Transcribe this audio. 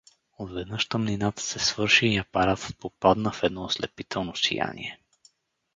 Отведнъж тъмнината се свърши и апаратът попадна в едно ослепително сияние.